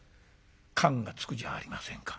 燗がつくじゃありませんか。